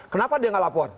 kenapa dia nggak lapor